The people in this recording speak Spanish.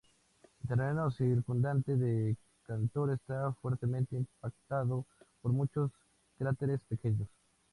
El terreno circundante de Cantor está fuertemente impactado por muchos cráteres pequeños.